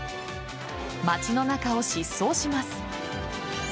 街の中を疾走します。